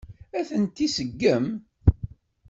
Ad tent-iseggem?